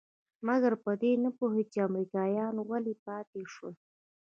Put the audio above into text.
مګر په دې نه پوهېده چې امريکايان ولې پاتې شول.